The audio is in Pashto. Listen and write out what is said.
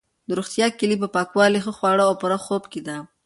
د روغتیا کلي په پاکوالي، ښه خواړه او پوره خوب کې ده.